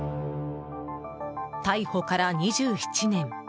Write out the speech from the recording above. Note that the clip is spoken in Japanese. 逮捕から２７年。